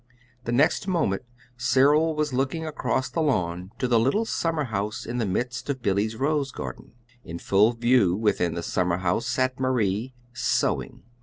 The next moment Cyril was looking across the lawn to the little summerhouse in the midst of Billy's rose garden. In full view within the summerhouse sat Marie sewing.